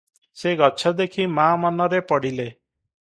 ସେ ଗଛ ଦେଖି ମା’ ମନରେ ପଡ଼ିଲେ ।